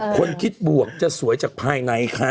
คนคิดบวกจะสวยจากภายในค่ะ